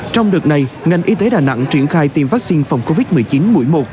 trong đợt này ngành y tế đà nẵng triển khai tiêm vaccine phòng covid một mươi chín mũi một